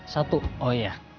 satu oh iya